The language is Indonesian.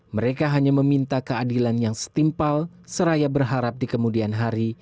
mereka hanya meminta keadilan yang setimpal seraya berharap di kemudian hari